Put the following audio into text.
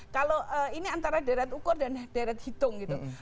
kalau ini antara deret ukur dan deret hitung gitu